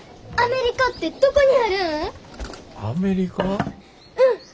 アメリカってどこにあるん？